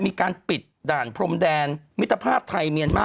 มีการปิดด่านพรมแดนมิตรภาพไทยเมียนมา